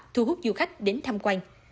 thu hút du khách đến tham quan